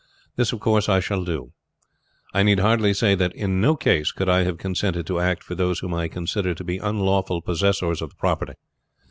This, of course, I shall do. I need hardly say that in no case could I have consented to act for those whom I consider to be unlawful possessors of the property.